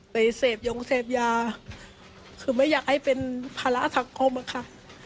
ไปเสพยงเสพยาคือไม่อยากให้เป็นภาระสังคมอะค่ะ